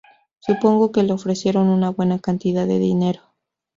Supongo que le ofrecieron una buena cantidad de dinero.